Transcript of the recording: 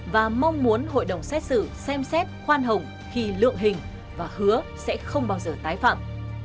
và mong muốn hội đồng xét xử xem xét khoan hồng khi lượng hình và hứa sẽ không bao giờ tái phạm